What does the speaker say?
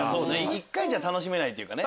１回じゃ楽しめないというかね